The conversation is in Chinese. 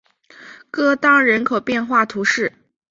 戈当人口变化图示